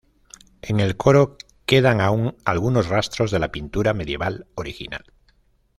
En el coro quedan aún algunos rastros de la pintura medieval original.